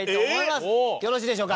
よろしいでしょうか？